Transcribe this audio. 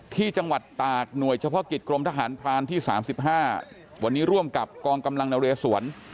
ที่จังหวัดตากหน่วยเฉพาะกิจกรมทหารพรานที่๓๕วันนี้ร่วมกับกองกำลังนเรสวน